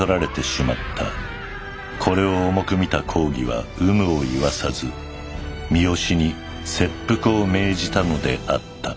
これを重く見た公儀は有無を言わさず三好に切腹を命じたのであった